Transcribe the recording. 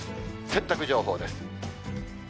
洗濯情報です。